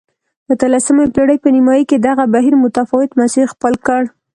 د اتلسمې پېړۍ په نیمايي کې دغه بهیر متفاوت مسیر خپل کړ.